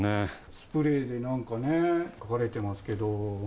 スプレーでなんかね、書かれてますけど。